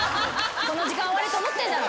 この時間終われと思ってんだろ！